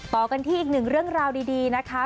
ต่อกันที่อีกหนึ่งเรื่องราวดีนะคะ